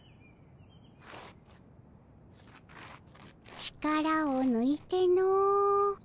力をぬいての。